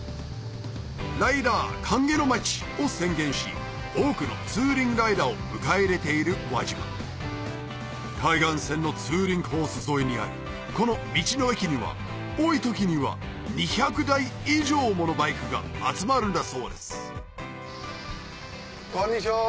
ライダー歓迎の街を宣言し多くのツーリングライダーを迎え入れている輪島海岸線のツーリングコース沿いにあるこの道の駅には多い時には２００台以上ものバイクが集まるんだそうですこんにちは！